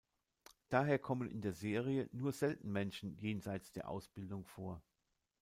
Daher kommen in der Serie nur selten Menschen jenseits der Ausbildung vor.